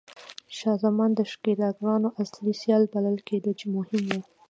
شاه زمان د ښکېلاګرانو اصلي سیال بلل کېده چې مهم و.